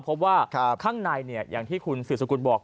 เพราะว่าข้างในเนี่ยอย่างที่คุณศิษย์สกุลบอก